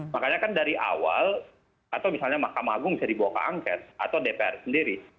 makanya kan dari awal atau misalnya mahkamah agung bisa dibawa ke angket atau dpr sendiri